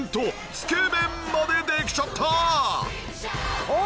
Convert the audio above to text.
つけ麺までできちゃった！